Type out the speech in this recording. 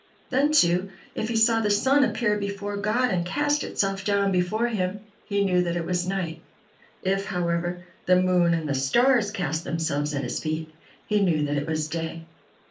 Then, too, if he saw the sun appear before God and cast itself down before Him, he knew that it was night; if, however, the moon and the stars cast themselves at His feet, he knew that it was day.